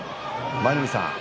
舞の海さん